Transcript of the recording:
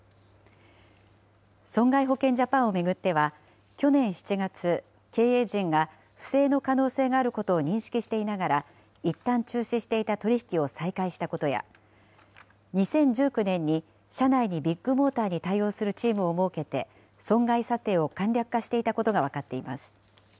損害保険ジャパンを巡っては、去年７月、経営陣が不正の可能性があることを認識していながら、いったん中止していた取り引きを再開したことや、２０１９年に社内にビッグモーターに対応するチームを設けて、損害査定を簡略化していたことが分かっています。